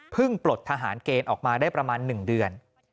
ปลดทหารเกณฑ์ออกมาได้ประมาณ๑เดือน